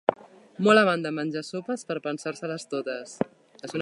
Molt amant de menjar sopes per pensar-se-les totes.